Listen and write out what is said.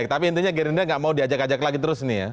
tapi intinya gerindra nggak mau diajak ajak lagi terus nih ya